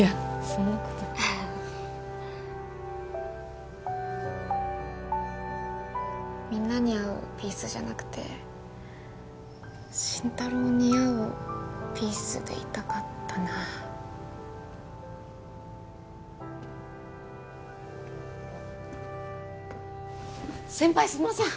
そんなことみんなに合うピースじゃなくて真太郎に合うピースでいたかったなあ先輩すいません！